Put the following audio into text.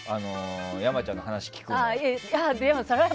山ちゃんの話を聞くのを。